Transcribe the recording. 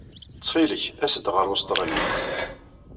Ttxil-k, as-d ɣer Ustṛalya.